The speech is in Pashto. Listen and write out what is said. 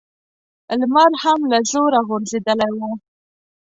لمر هم له زوره غورځېدلی و.